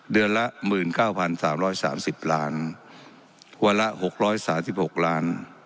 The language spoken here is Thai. เดือนละหมื่นเก้าพันสามร้อยสามสิบล้านวันละหกร้อยสามสิบหกล้าน